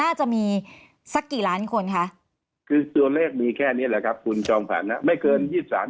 น่าจะมีสักกี่ล้านคนคะคือตัวเลขมีแค่นี้แหละครับคุณจองผันครับ